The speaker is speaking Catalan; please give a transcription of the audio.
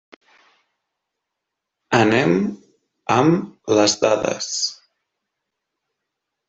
Anem amb les dades.